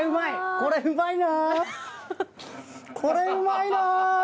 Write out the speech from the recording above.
これうまいな。